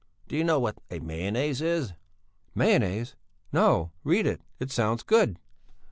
Do you know what a mayonnaise is?" "Mayonnaise? No! Read it! It sounds good!"